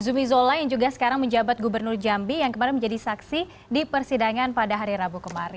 zumi zola yang juga sekarang menjabat gubernur jambi yang kemarin menjadi saksi di persidangan pada hari rabu kemarin